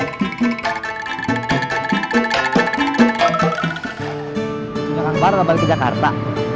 sudah kang bahar atau balik ke jakarta